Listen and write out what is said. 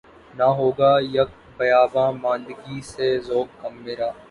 نہ ہوگا یک بیاباں ماندگی سے ذوق کم میرا